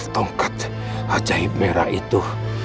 tongkat ajaib merah itu